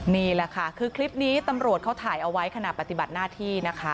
นี่แหละค่ะคือคลิปนี้ตำรวจเขาถ่ายเอาไว้ขณะปฏิบัติหน้าที่นะคะ